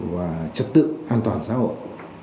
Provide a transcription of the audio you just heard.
và trật tự an toàn xã hội